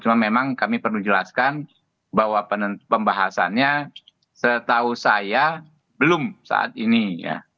cuma memang kami perlu jelaskan bahwa pembahasannya setahu saya belum saat ini ya